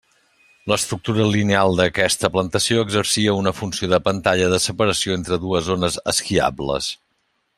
L'estructura lineal d'aquesta plantació exercia una funció de pantalla de separació entre dues zones esquiables.